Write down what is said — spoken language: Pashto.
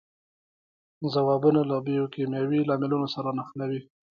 ځوابونه له بیوکیمیاوي لاملونو سره نښلوي.